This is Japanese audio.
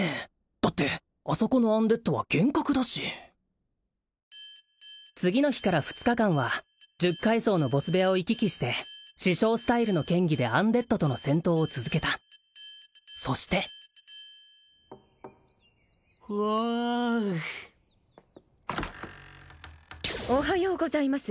だってあそこのアンデッドは幻覚だし次の日から２日間は十階層のボス部屋を行き来して師匠スタイルの剣技でアンデッドとの戦闘を続けたそしてはいおはようございます